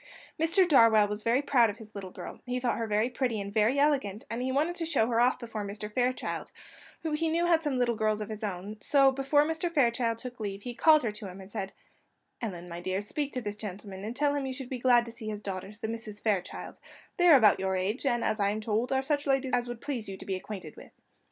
Mr. Darwell was proud of his little girl; he thought her very pretty and very elegant, and he wanted to show her off before Mr. Fairchild, who he knew had some little girls of his own; so before Mr. Fairchild took leave, he called her to him, and said: "Ellen, my dear, speak to this gentleman, and tell him that you should be glad to see his daughters, the Misses Fairchild; they are about your age, and, as I am told, are such ladies as would please you to be acquainted with."